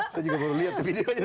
saya juga baru lihat di video